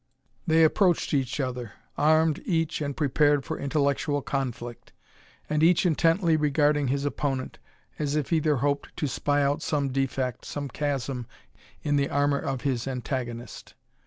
They approached each other, armed each and prepared for intellectual conflict, and each intently regarding his opponent, as if either hoped to spy out some defect, some chasm in the armour of his antagonist.